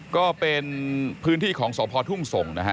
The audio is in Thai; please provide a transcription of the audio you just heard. ก็เป็นพื้นที่ของสพทุ่งส่งนะฮะ